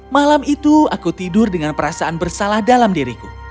malam itu aku tidur dengan perasaan bersalah dalam diriku